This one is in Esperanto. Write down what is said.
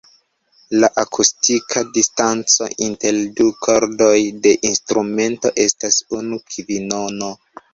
La akustika distanco inter du kordoj de instrumento estas unu kvinono.